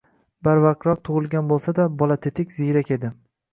Barvaqtroq tug`ilgan bo`lsa-da bola tetik, ziyrak edi